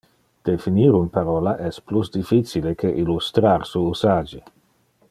Definir un parola es plus difficile que illustrar su usage.